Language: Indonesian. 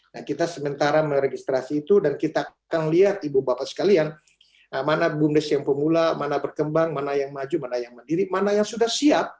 nah kita sementara meregistrasi itu dan kita akan lihat ibu bapak sekalian mana bumdes yang pemula mana berkembang mana yang maju mana yang mandiri mana yang sudah siap